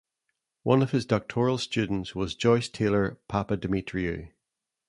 One of his doctoral students was Joyce Taylor-Papadimitriou.